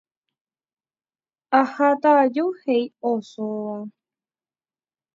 Aháta aju, he'i osóva.